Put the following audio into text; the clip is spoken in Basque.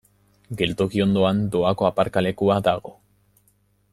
Geltoki ondoan doako aparkalekua dago.